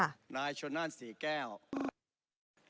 คุณหมอชนน่านสีแก้วกี่